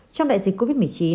trong đại dịch covid một mươi chín